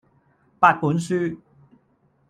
八本書